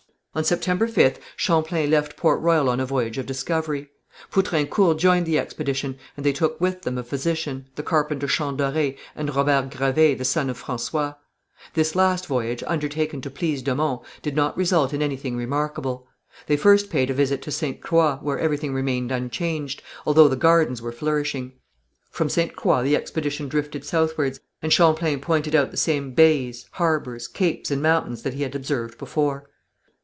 On September 5th, Champlain left Port Royal on a voyage of discovery. Poutrincourt joined the expedition, and they took with them a physician, the carpenter Champdoré, and Robert Gravé, the son of François. This last voyage, undertaken to please de Monts, did not result in anything remarkable. They first paid a visit to Ste. Croix, where everything remained unchanged, although the gardens were flourishing. From Ste. Croix the expedition drifted southwards, and Champlain pointed out the same bays, harbours, capes and mountains that he had observed before.